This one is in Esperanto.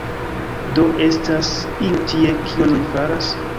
Do estas iu tie, kion li faras?